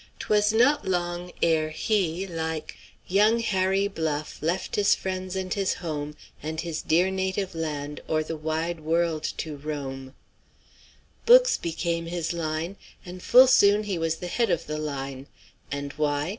'Twas not long ere he, like 'Young Harry Bluff, left his friends and his home, And his dear native land, o'er the wide world to roam.' Books became his line, and full soon he was the head of the line. And why?